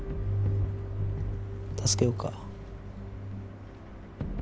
助けようか？